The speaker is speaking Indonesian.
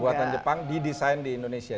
buatan jepang didesain di indonesia